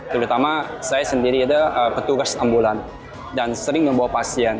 terutama saya sendiri ada petugas ambulan dan sering membawa pasien